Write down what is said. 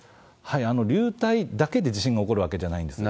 流体だけで地震が起こるわけではないんです。